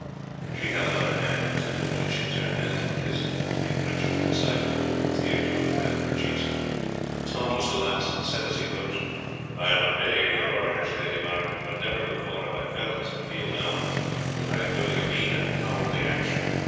She held out her hand to them; each in turn knelt and kissed it, the three Frenchmen in silence but with tears running down their cheeks. Tom was the last, and said as he rose: "I am obeying your orders, Lady Margaret, but never before have I felt, as I feel now, that I am doing a mean and cowardly action.